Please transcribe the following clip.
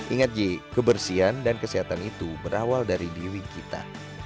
ingat j kebersihan dan kesehatan itu berawal dari diri kita